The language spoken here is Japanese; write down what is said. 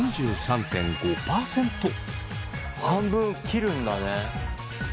半分切るんだね。